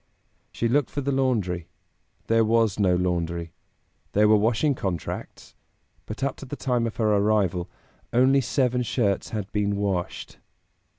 She looked for the laundry; there was no laundry. There were washing contracts, but up to the time of her arrival "only seven shirts had been washed."